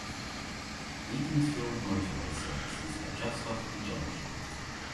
Beaconsfield motorway services are just off the junction.